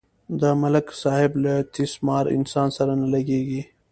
د ملک صاحب له تیس مار انسان سره نه لگېږي.